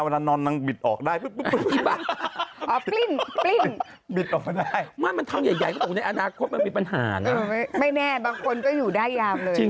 ต้องเป็นลูก